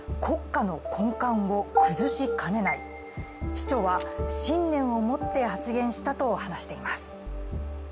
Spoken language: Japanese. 市長は信念を持って発言したと話しています。